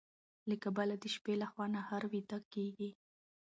له کبله د شپې لخوا نهر ويده کيږي.